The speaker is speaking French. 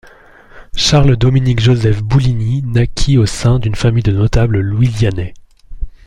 Charles Dominique Joseph Bouligny naquit au sein d'une famille de notables louisianais.